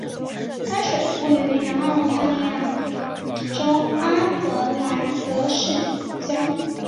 该水库位于南澳大利亚州阿德莱德市郊。